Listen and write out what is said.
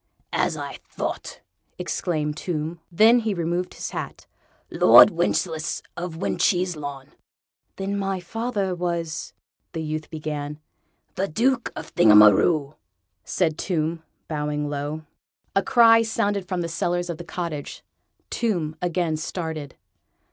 "As I thought!" exclaimed Tomb; then he removed his hat. "Lord Wencheslaus of When cheeselawn!" "Then my father was ..." the youth began. "The Duke of Thingamaroo," said Tomb, bowing low. A cry sounded from the cellars of the cottage. Tomb again started.